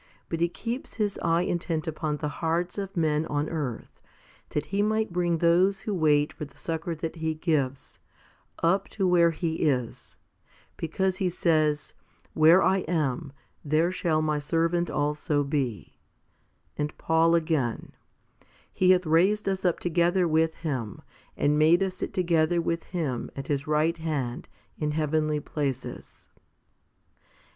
but He keeps His eye intent upon the hearts of men on earth, that He may bring those who wait 1 Heb. i. 14. 2 ph. i. 21. HOMILY XLV 285 for the succour that He gives, up to where He is ; because He says, Where I am, there shall My servant also be, 1 and Paul again, He hath raised us up together with Him and made us sit together with Him at His right hand in heavenly places.